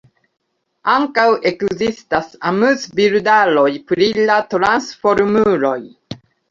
Ankaŭ ekzistas amuzbildaroj pri la Transformuloj.